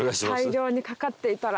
大量にかかっていたら。